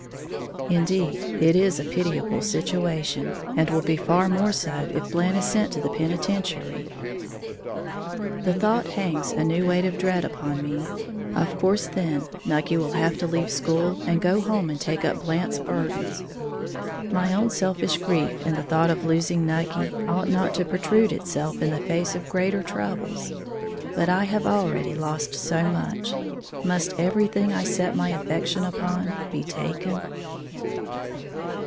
Indeed, it is a pitiable situation, and will be far more so if Blant is sent to the penitentiary. The thought hangs a new weight of dread upon me, of course then Nucky will have to leave school and go home and take up Blant's burdens. My own selfish grief in the thought of losing Nucky ought not to protrude itself in the face of greater troubles, but I have already lost so much, must everything I set my affection upon be taken?